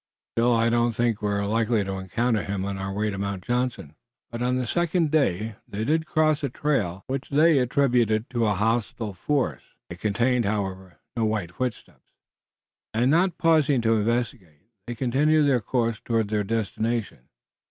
"Still, I don't think we're likely to encounter him on our way to Mount Johnson." But on the second day they did cross a trail which they attributed to a hostile force. It contained, however, no white footsteps, and not pausing to investigate, they continued their course toward their destination.